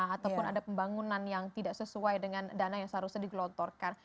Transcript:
ataupun ada pembangunan yang tidak sesuai dengan dana yang seharusnya digelontorkan